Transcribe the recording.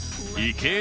池江